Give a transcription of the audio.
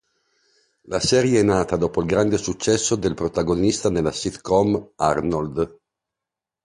La serie è nata dopo il grande successo del protagonista nella sitcom "Arnold".